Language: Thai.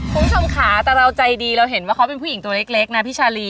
คุณผู้ชมค่ะแต่เราใจดีเราเห็นว่าเขาเป็นผู้หญิงตัวเล็กนะพี่ชาลี